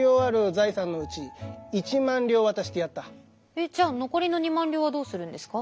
えっじゃあ残りの２万両はどうするんですか？